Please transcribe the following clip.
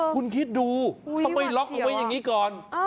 คุณคิดดูเขาไปล็อกเอาไว้อย่างนี้ก่อน